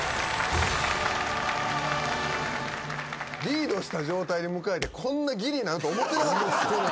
リードした状態で迎えてこんなギリになると思ってなかったです。